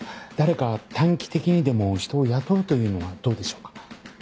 誰か短期的にでも人を雇うというのはどうでしょうか？